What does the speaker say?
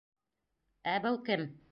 Ә был кем?